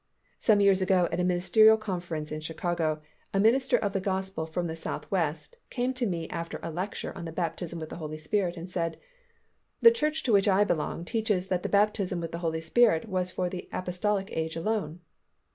Some years ago at a ministerial conference in Chicago, a minister of the Gospel from the Southwest came to me after a lecture on the Baptism with the Holy Spirit and said, "The church to which I belong teaches that the baptism with the Holy Spirit was for the apostolic age alone."